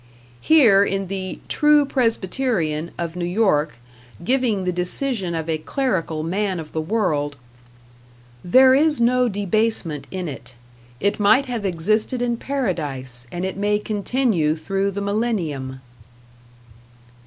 Here in the "True Presbyterian", of New York, giving the decision of a clerical man of the world: "There is no debasement in it. It might have existed in Paradise, and it may continue through the Millenium."